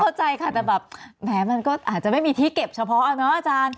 เข้าใจค่ะแต่แบบแหมมันก็อาจจะไม่มีที่เก็บเฉพาะเอาเนอะอาจารย์